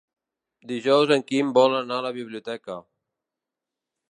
Dijous en Quim vol anar a la biblioteca.